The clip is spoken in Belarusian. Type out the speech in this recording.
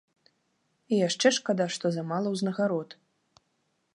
І яшчэ шкада, што замала ўзнагарод.